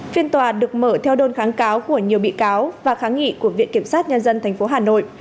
phiên tòa được mở theo đơn kháng cáo của nhiều bị cáo và kháng nghị của viện kiểm sát nhân dân tp hà nội